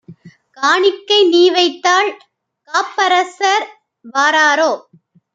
காணிக்கை நீவைத்தால் காப்பரசர் வாராரோ?